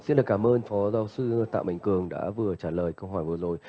xin được cảm ơn phó giáo sư tạm mạnh cường đã vừa trả lời câu hỏi vừa rồi